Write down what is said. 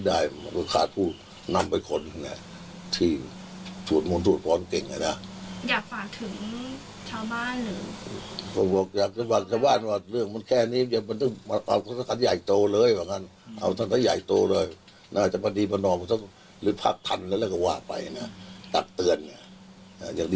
ดิฟาเห็นมั้ยเรียกเอาสุดเลยก็หนักไปหน่อย